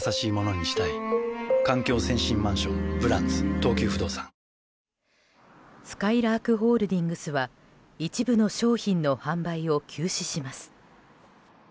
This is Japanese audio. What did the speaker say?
糖質ゼロすかいらーくホールディングスは一部の商品の販売を休止します。